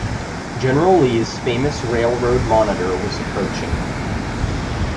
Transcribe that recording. General Lee's famous railroad monitor was approaching.